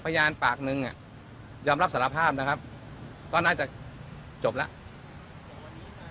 พยานปากหนึ่งยอมรับสารภาพนะครับก็น่าจะจบแล้ว